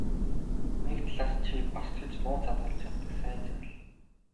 Нэг талаас чи бас ч гэж нууц хадгалж чаддаг сайн жаал.